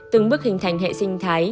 từng bước hình thành hệ sinh thái